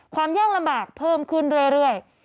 ความยากลำบากเพิ่มขึ้นเรื่อย